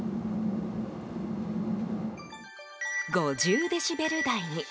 ５０デシベル台に。